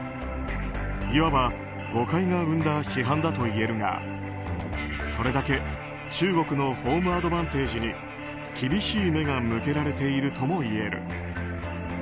いわば誤解が生んだ批判だといえるがそれだけ、中国のホームアドバンテージに厳しい目が向けられているともいえる。